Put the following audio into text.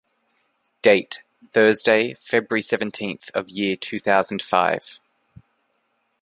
Date: Thursday, February seventeenth of year two thousand five.